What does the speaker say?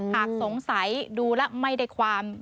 หากสงสัยดูแล้วไม่ได้ความ